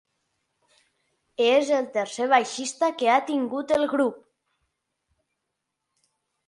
És el tercer baixista que ha tingut el grup.